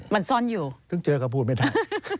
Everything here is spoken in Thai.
มันซ่อนอยู่ถึงเจอก็พูดไม่ได้